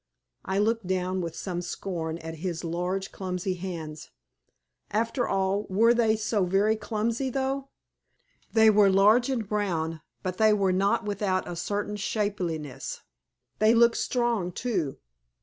I looked down with some scorn at his large, clumsy hands. After all, were they so very clumsy, though? They were large and brown, but they were not without a certain shapeliness. They looked strong, too.